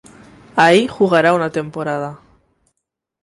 Ahí jugará una temporada.